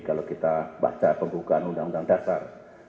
kalau kita baca pembukaan undang undang dasar seribu sembilan ratus empat puluh lima